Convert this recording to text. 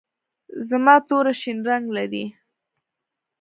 زما توره شین رنګ لري.